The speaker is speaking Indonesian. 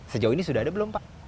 sejauh ini sudah ada belum pak